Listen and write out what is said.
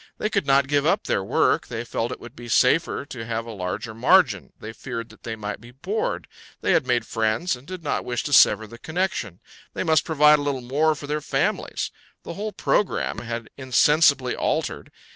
They could not give up their work; they felt it would be safer to have a larger margin, they feared they might be bored, they had made friends, and did not wish to sever the connection, they must provide a little more for their families: the whole programme had insensibly altered.